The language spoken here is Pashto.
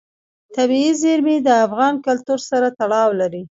طبیعي زیرمې د افغان کلتور سره تړاو لري.